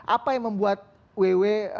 apa yang membuat wewe berpikir